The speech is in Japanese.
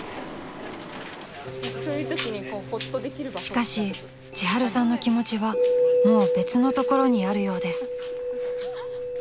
［しかしちはるさんの気持ちはもう別のところにあるようです］